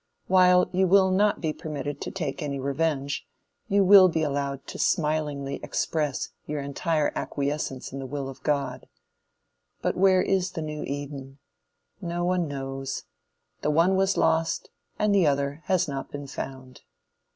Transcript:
While you will not be permitted to take any revenge, you will be allowed to smilingly express your entire acquiescence in the will of God. But where is the new Eden? No one knows. The one was lost, and the other has not been found.